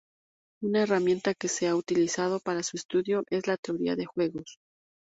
Una herramienta que se ha utilizado para su estudio es la teoría de juegos.